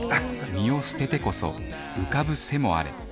身を捨ててこそ浮かぶ瀬もあれ。